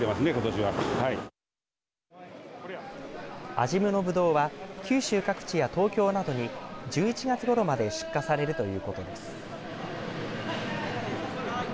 安心院のぶどうは九州各地や東京などに１１月ごろまで出荷されるということです。